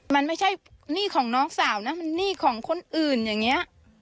มันไม่ใช่หนี้ของน้องสาวนะมันหนี้ของคนอื่นอย่างนี้